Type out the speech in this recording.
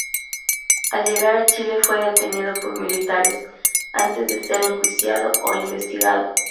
Al llegar a Chile fue detenido por militares, antes de ser enjuiciado o investigado.